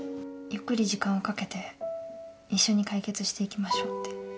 ゆっくり時間をかけて一緒に解決していきましょうって。